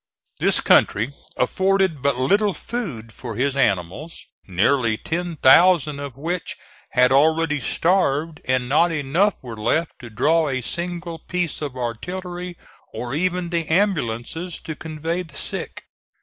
This country afforded but little food for his animals, nearly ten thousand of which had already starved, and not enough were left to draw a single piece of artillery or even the ambulances to convey the sick.